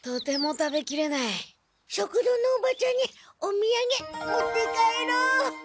食堂のおばちゃんにおみやげ持って帰ろう。